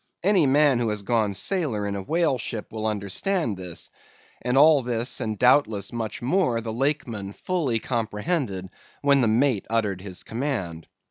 Any man who has gone sailor in a whale ship will understand this; and all this and doubtless much more, the Lakeman fully comprehended when the mate uttered his command.